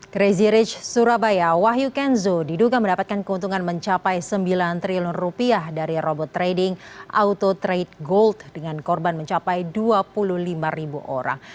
crazy rich surabaya wahyu kenzo diduga mendapatkan keuntungan mencapai sembilan triliun rupiah dari robot trading auto trade gold dengan korban mencapai dua puluh lima ribu orang